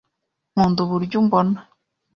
Nkunda uburyo umbona.